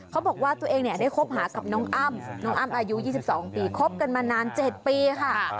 เขาบอกว่าตัวเองเนี่ยได้คบหากับน้องอ้ำน้องอ้ำอายุ๒๒ปีคบกันมานาน๗ปีค่ะ